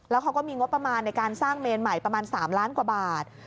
แล้วเขาก็มีงบประมาณในการสร้างเมนใหม่ประมาณ๓ล้านกว่าบาท